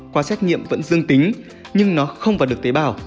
qua xét nghiệm vẫn dương tính nhưng nó không vào được tế bào